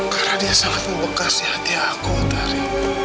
karena dia sangat membekasi hati aku otari